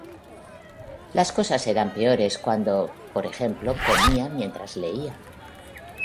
Las cosas eran peores cuando, por ejemplo, comía mientras leía.